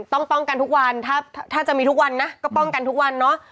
ต้องป้องกันทุกวันถ้าจะมีทุกวันนะก็ป้องกันทุกวันเนอะ